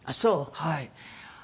はい。